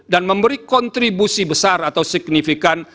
memberi kontribusi besar atau signifikan